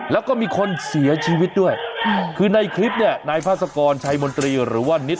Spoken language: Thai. แล้วก็มีคนเสียชีวิตด้วยคือในคลิปเนี่ยนายพาสกรชัยมนตรีหรือว่านิด